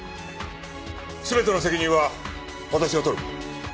全ての責任は私が取る。